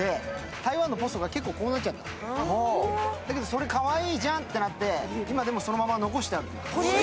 それがかわいいじゃんとなって、今でもそのまま残してある。